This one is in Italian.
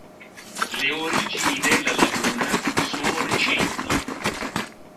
Le origini della laguna sono recenti.